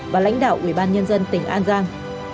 và lãnh đạo ủy ban nhân dân tỉnh an giang